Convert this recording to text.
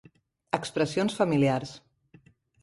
Expressions familiars